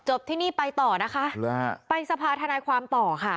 ที่นี่ไปต่อนะคะหรือฮะไปสภาธนายความต่อค่ะ